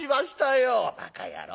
「バカ野郎。